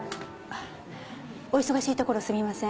お忙しいところすみません。